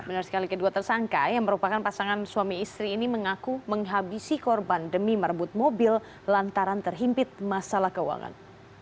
benar sekali kedua tersangka yang merupakan pasangan suami istri ini mengaku menghabisi korban demi merebut mobil lantaran terhimpit masalah keuangan